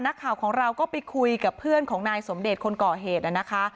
นักข่าวของเราก็ไปคุยกับเพื่อนของนายสมเดชน์คนก่อเหตุนะคะ